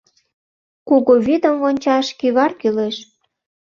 Кугу вӱдым вончаш кӱвар кӱлеш.